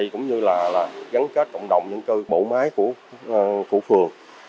cũng như là gắn kết cộng đồng những bộ máy của phường